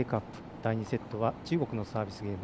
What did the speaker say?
第２セットは中国のサービスゲーム。